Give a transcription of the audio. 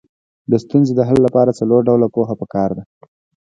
د ستونزې د حل لپاره څلور ډوله پوهه پکار ده.